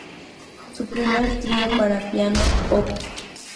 Su primer trío para piano, op.